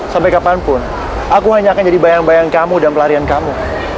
sampai kapanpun aku hanya akan jadi bayang bayang kamu dan pelarian kamu